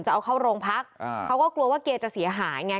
จะเอาเข้าโรงพักเขาก็กลัวว่าเกียร์จะเสียหายไง